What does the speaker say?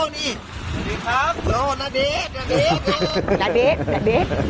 สวัสดีครับโลห์น่าเดชน์